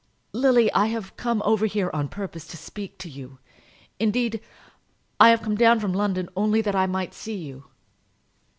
"Lily, I have come over here on purpose to speak to you. Indeed, I have come down from London only that I might see you."